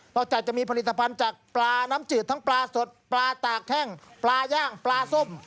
จากจะมีผลิตภัณฑ์จากปลาน้ำจืดทั้งปลาสดปลาตากแข้งปลาย่างปลาส้ม